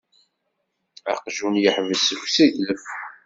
Aqjun yeḥbes seg useglef.